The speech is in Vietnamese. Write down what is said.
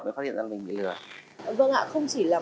mới phát hiện ra mình bị lừa vâng ạ không chỉ là